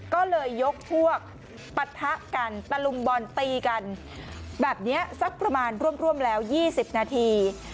ก็เลยยกพวกปะทะกันตะลุมบอลตีกันแบบนี้สักประมาณร่วมแล้ว๒๐นาที